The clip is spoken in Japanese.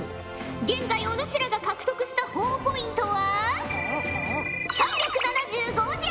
現在お主らが獲得したほぉポイントは３７５じゃ！